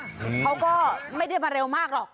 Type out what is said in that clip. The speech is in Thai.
เขาก็ไม่ได้มาเร็วมากหรอก